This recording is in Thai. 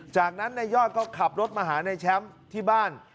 จากนั้นนายยอดก็ขับรถมาหาในแชมป์ที่บ้าน